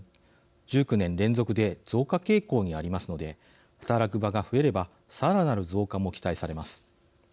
１９年連続で増加傾向にありますので働く場が増えればさらなる増加も期待されます。